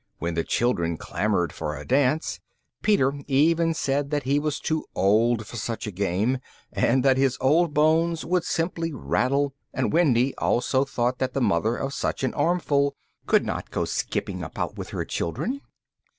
When the children clamoured for a dance, Peter even said that he was too old for such a game, and that his old bones would simply rattle, and Wendy also thought that the mother of such an armful could not go skipping about with her children.